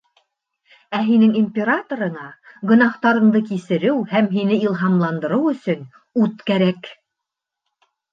Ә һинең императорыңа гонаһтарыңды кисереү һәм һине илһамландырыу өсөн ут кәрәк!